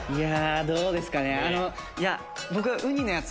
どうですかね？